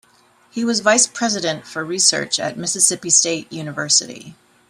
He was vice president for research at Mississippi State University.